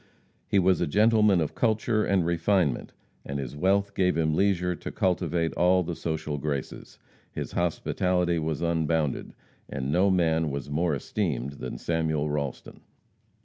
He was a gentleman of culture and refinement, and his wealth gave him leisure to cultivate all the social graces. His hospitality was unbounded, and no man was more esteemed than Samuel Ralston.